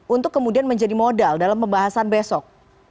untuk kemudian menjadi modal dalam pembahasan besok